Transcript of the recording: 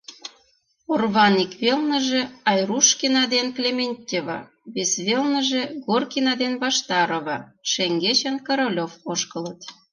Орван ик велныже Айрушкина ден Клементьева, вес велныже Горкина ден Ваштарова, шеҥгечын Королёв ошкылыт.